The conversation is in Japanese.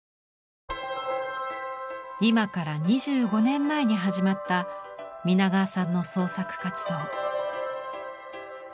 今から２５年前に始まった皆川さんの創作活動。